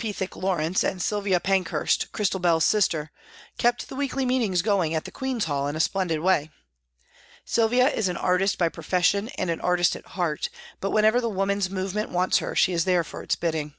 Pethick Lawrence and Sylvia Pankhurst, Christabel's sister, kept the weekly meetings going at the Queen's Hall in a splendid way. Sylvia is an artist by profession and an artist at heart, but when ever the women's movement wants her she is there for its bidding.